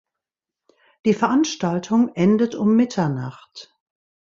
Die Veranstaltung endet um Mitternacht.